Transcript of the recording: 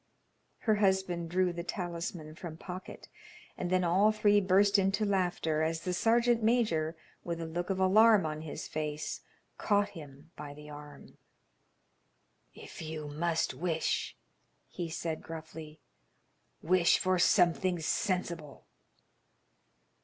Her husband drew the talisman from pocket, and then all three burst into laughter as the sergeant major, with a look of alarm on his face, caught him by the arm. "If you must wish," he said, gruffly, "wish for something sensible."